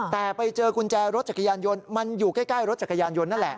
แต่ไปเจอกุญแจรถจักรยานยนต์มันอยู่ใกล้รถจักรยานยนต์นั่นแหละ